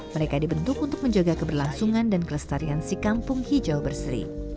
mereka dibentuk untuk menjaga keberlangsungan dan kelestarian si kampung hijau berseri